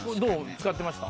使ってました？